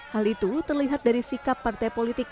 hal itu terlihat dari sikap partai politik